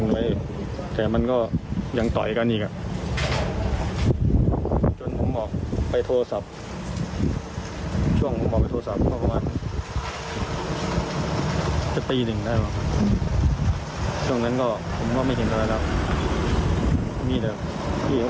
แล้วก็ล้มอีกทีหนึ่งหัวฟาดพื้นบ้างครับ